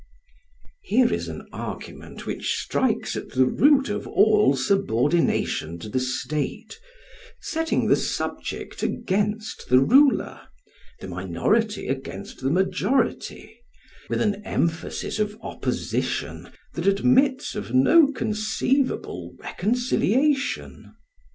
] Here is an argument which strikes at the root of all subordination to the state, setting the subject against the ruler, the minority against the majority, with an emphasis of opposition that admits of no conceivable reconciliation.